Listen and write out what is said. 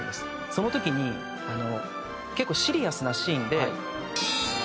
その時に結構シリアスなシーンで。